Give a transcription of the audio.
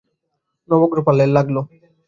নবগোপাল প্রজাদের সঙ্গে মিলে উঠে-পড়ে লাগল।